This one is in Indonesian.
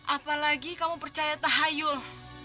apalagi kamu percaya tahayul